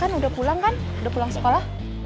kan udah pulang kan udah pulang sekolah